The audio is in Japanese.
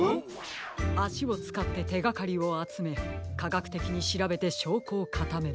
あしをつかっててがかりをあつめかがくてきにしらべてしょうこをかためる。